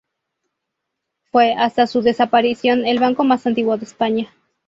Fue, hasta su desaparición, el banco más antiguo de España.